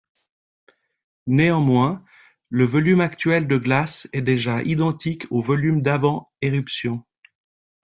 Néanmoins, le volume actuel de glace est déjà identique au volume d’avant éruption.